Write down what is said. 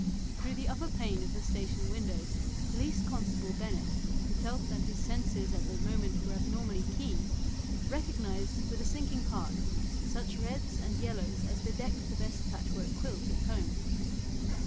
Through the upper pane of the station window Police constable Bennett, who felt that his senses at the moment were abnormally keen, recognised with a sinking heart such reds and yellows as bedecked the best patchwork quilt at home.